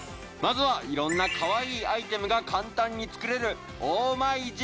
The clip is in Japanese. まずはいろんなかわいいアイテムが簡単に作れる。